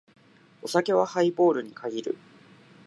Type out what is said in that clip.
お酒はハイボールに限る。